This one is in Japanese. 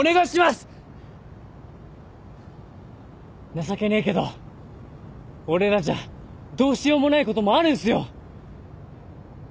情けねえけど俺らじゃどうしようもないこともあるんすよ。